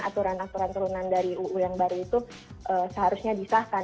aturan aturan turunan dari uu yang baru itu seharusnya disahkan